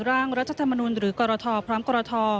ร่างรัฐธรรมนุนหรือกรทพร้อมกรท